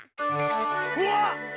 うわっ！